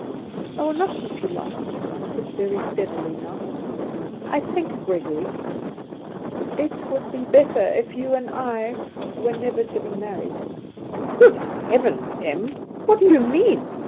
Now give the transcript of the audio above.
"I will not keep you long," she answered very steadily now. "I think, Gregory, it would be better if you and I were never to be married." "Good Heaven! Em, what do you mean?